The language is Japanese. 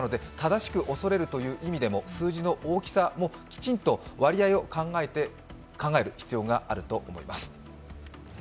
正しく恐れるという意味でも数字の大きさもきちんと割合を考える必要があると思います。